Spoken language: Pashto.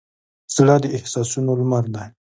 زړه د احساسونو لمر دی.